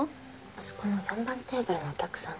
あそこの４番テーブルのお客さん